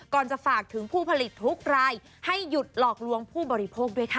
จะฝากถึงผู้ผลิตทุกรายให้หยุดหลอกลวงผู้บริโภคด้วยค่ะ